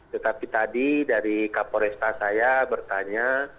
tetapi tadi dari kapolresta saya bertanya